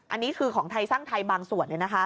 อันนี้คือของไทยสร้างไทยบางส่วน